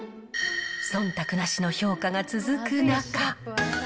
そんたくなしの評価が続く中。